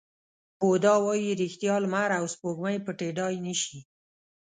بودا وایي ریښتیا، لمر او سپوږمۍ پټېدای نه شي.